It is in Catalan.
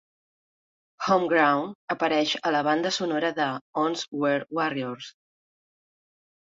"Homegrown" apareix a la banda sonora de "Once Were Warriors".